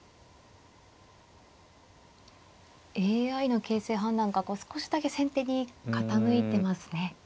ＡＩの形勢判断が少しだけ先手に傾いてますね。